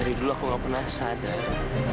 dari dulu aku gak pernah sadar